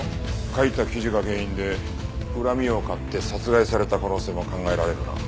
書いた記事が原因で恨みを買って殺害された可能性も考えられるな。